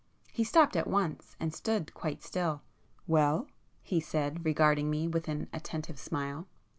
He stopped at once and stood quite still. "Well?" he said, regarding me with an attentive smile.